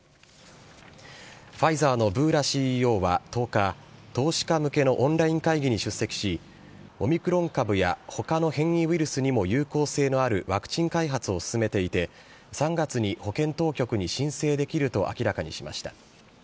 ファイザーのブーラＣＥＯは１０日、投資家向けのオンライン会議に出席し、オミクロン株やほかの変異ウイルスにも有効性のあるワクチン開発を進めていて、３月に保健当局に申請できると明らかにしました。